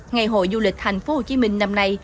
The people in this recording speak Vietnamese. ngày hội du lịch tp hcm năm nay